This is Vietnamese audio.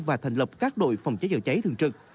và thành lập các đội phòng cháy chữa cháy thường trực